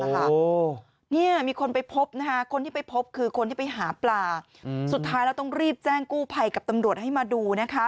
เภอไปพบกับภาพปลาสุดท้ายต้องรีบแจ้งกู้ภัยให้ดู